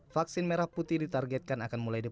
vaksin merah putih ditargetkan akan mulai diberikan